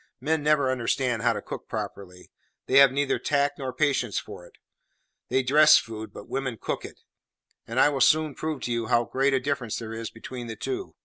Men never understand how to cook properly; they have neither tact nor patience for it. They dress food, but women cook it; and I will soon prove to you how great a difference there is between the two.